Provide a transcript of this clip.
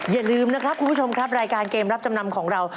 อย่าลืมนะครับคุณผู้ชมครับรายการเกมรับจำนำของเรา